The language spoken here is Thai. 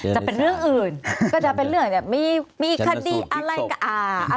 จะเป็นเรื่องอื่นก็จะเป็นเรื่องแบบมีคดีอะไรก็อ่า